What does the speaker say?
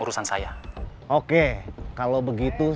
esnya boleh tau